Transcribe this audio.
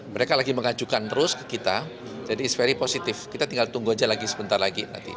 mereka lagi mengajukan terus ke kita jadi is very positif kita tinggal tunggu aja lagi sebentar lagi